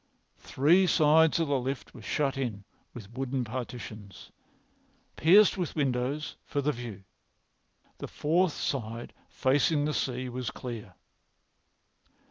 Three sides of the lift were shut in with wooden partitions, pierced with windows for the view. The fourth side, facing the sea, was clear.